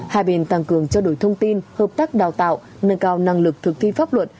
hai bên tăng cường trao đổi thông tin hợp tác đào tạo nâng cao năng lực thực thi pháp luật